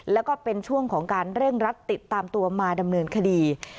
แล้วก็เป็นช่วงของการเร่งรัดติดตามตัวมาดำเนินคดี